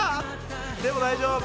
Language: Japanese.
でも大丈夫。